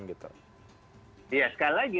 ya sekali lagi